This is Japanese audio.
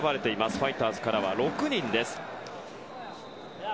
ファイターズからは６人です。